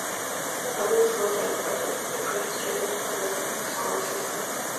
Beltsville's public schools are a part of the Prince George's County Public Schools system.